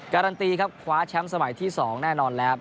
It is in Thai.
การันตีครับคว้าแชมป์สมัยที่๒แน่นอนแล้ว